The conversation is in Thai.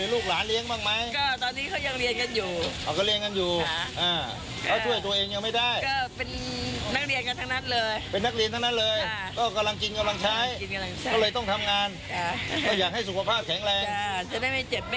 แล้วมีอะไรไหมแทงหวยหรือเปล่า